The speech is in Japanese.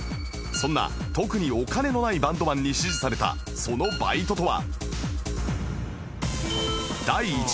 そんな特にお金のないバンドマンに支持されたそのバイトとは